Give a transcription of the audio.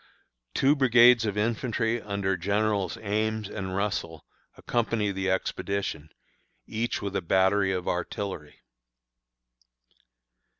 Two brigades of infantry under Generals Ames and Russell accompany the expedition, each with a battery of artillery.